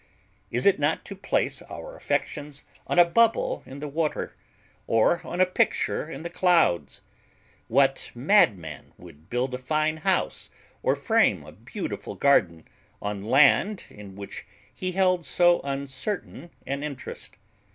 Is it not to place our affections on a bubble in the water, or on a picture in the clouds? What madman would build a fine house or frame a beautiful garden on land in which he held so uncertain an interest?